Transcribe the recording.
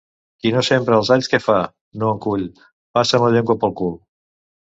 Qui no sembre alls què fa? —No en cull. —Passa'm la llengua pel cul!